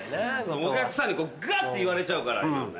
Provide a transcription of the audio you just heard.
お客さんにガッて言われちゃうから今のね。